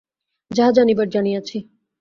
যাহা জানিবার জানিয়াছি।